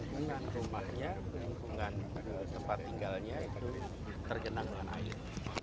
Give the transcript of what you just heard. penghubungan rumahnya penghubungan tempat tinggalnya itu tergenang dengan air